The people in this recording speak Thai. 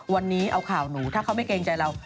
วันนี้เอาข่าวหนูถ้าเขาไม่เกรงใจเรา